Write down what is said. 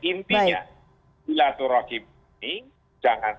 intinya silaturahim ini jangan